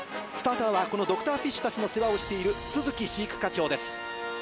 スターターはこのドクターフィッシュたちの世話をしている都築飼育課長です。